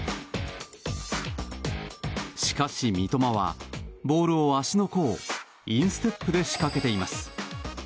しかし、三笘はボールを足の甲インステップで仕掛けています。